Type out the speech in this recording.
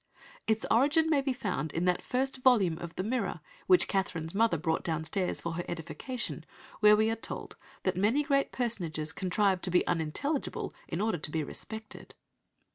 Its origin may be found in that first volume of The Mirror which Catherine's mother brought down stairs for her edification, where we are told that "many great personages contrive to be unintelligible in order to be respected."